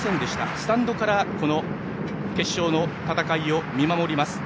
スタンドからこの決勝の戦いを見守ります。